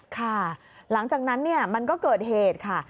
ค่ะหลังจากนั้นมันก็เกิดเหตุค่ะ